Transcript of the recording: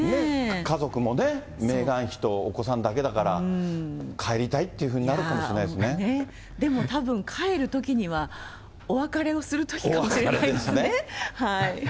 家族もね、メーガン妃とお子さんだけだから、帰りたいってい本当ね、でもたぶん、帰るときにはお別れをするときかもしれないですね。